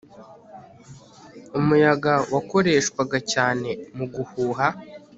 Umuyaga wakoreshwaga cyane no guhuha